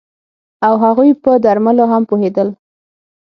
او هغوی په درملو هم پوهیدل